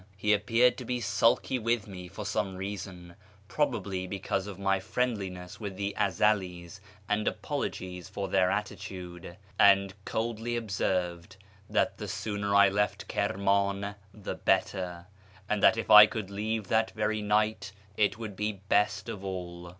He appeared to be sulky with me for some reason — probably because of my friendliness with the Ezeli's and apologies for their attitude — and coldly observed that the sooner I left Kirman the better, and that if I could leave that very night it would be best of all.